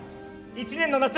１年の夏